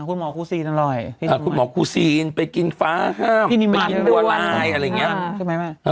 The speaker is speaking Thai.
คุณหมอครูซีนอร่อยคุณหมอครูซีนไปกินฟ้าห้ามไปกินบัวลายอะไรอย่างนี้ใช่ไหม